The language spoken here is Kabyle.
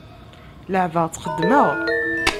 Leɛbeɣ-tt xeddmeɣ.